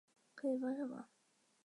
初为翰林院编修。